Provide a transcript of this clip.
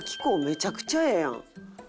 めちゃくちゃええやん。